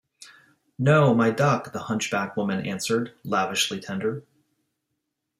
“No, my duck,” the hunchback woman answered, lavishly tender.